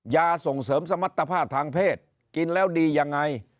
ส่งเสริมสมรรถภาพทางเพศกินแล้วดียังไง